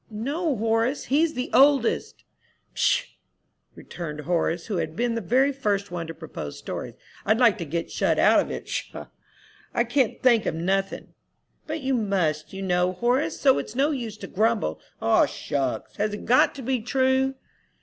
"No, Horace's; he's the oldest." "Pshaw!" returned Horace, who had been the very first one to propose stories, "I'd like to get shut of it. Pshaw! I can't think of nothin'." "But you must, you know, Horace; so it's no use to grumble." "O shucks! Has it got to be true?"